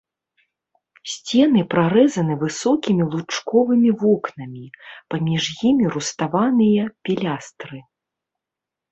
Сцены прарэзаны высокімі лучковымі вокнамі, паміж імі руставаныя пілястры.